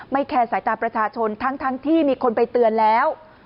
แคร์สายตาประชาชนทั้งที่มีคนไปเตือนแล้ว